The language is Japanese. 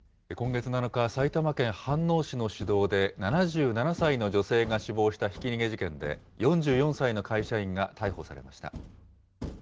今月７日、埼玉県飯能市の市道で、７７歳の女性が死亡したひき逃げ事件で、４４歳の会社員が逮捕されました。